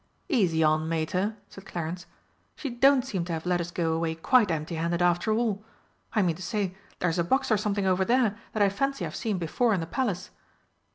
"Easy on, Mater!" said Clarence. "She don't seem to have let us go away quite empty handed after all. I mean to say there's a box or something over there that I fancy I've seen before in the Palace."